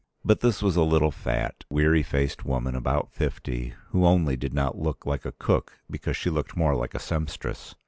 But this was a little fat, weary faced woman about fifty, who only did not look like a cook because she looked more like a sempstress.